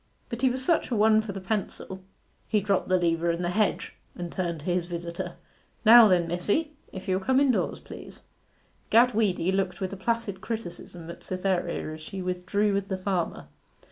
But he was such a one for the pencil.' He dropped the lever in the hedge, and turned to his visitor. 'Now then, missie, if you'll come indoors, please.' Gad Weedy looked with a placid criticism at Cytherea as she withdrew with the farmer.